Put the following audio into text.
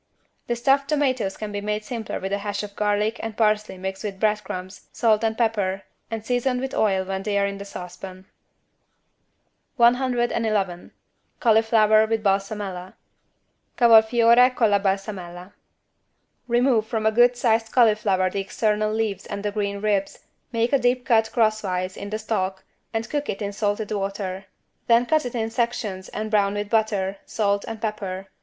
The stuffed tomatoes can be made simpler with a hash of garlic and parsley mixed with bread crumbs, salt and pepper and seasoned with oil when they are in the saucepan. 111 CAULIFLOWER WITH BALSAMELLA (Cavolfiore colla balsamella) Remove from a good sized cauliflower the external leaves and the green ribs, make a deep cut crosswise in the stalk and cook it in salted water. Then cut it in sections and brown with butter, salt and pepper.